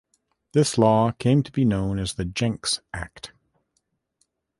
This law came to known as the Jencks Act.